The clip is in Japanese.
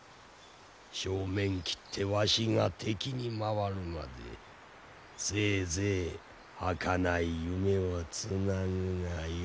正面切ってわしが敵に回るまでせいぜいはかない夢をつなぐがよいわ。